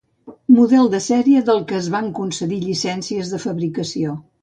Model de sèrie del que es van concedir llicències de fabricació.